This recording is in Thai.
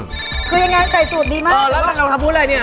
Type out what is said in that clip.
คือยังไงใส่สูตรดีมาก